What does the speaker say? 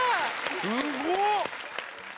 すごっ！